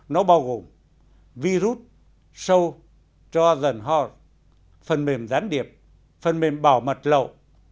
nó bao gồm virus show draw the heart phần mềm gián điệp phần mềm bảo mật lậu